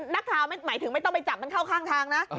นักข่าวหมายถึงไม่ต้องไปจับมันเข้าข้างทางนะ